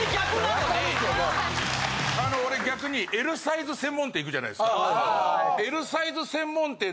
・分かるけど・あの俺逆にＬサイズ専門店行くじゃないですか。